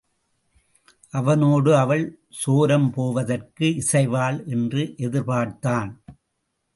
அவனோடு அவள் சோரம் போவதற்கு இசைவாள் என்று எதிர்பார்த்தான்.